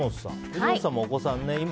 藤本さん、お子さん